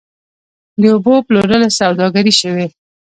د اوبو پلورل سوداګري شوې؟